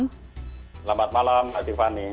selamat malam adivani